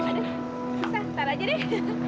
nah taruh aja deh